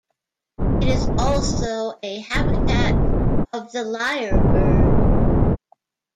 It is also a habitat of the lyrebird.